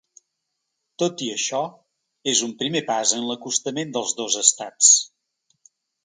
Tot i això, és un primer pas en l’acostament dels dos estats.